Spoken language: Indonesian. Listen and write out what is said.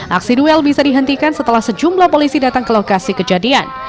aksi duel bisa dihentikan setelah sejumlah polisi datang ke lokasi kejadian